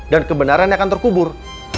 dan kebenarannya akan terkubur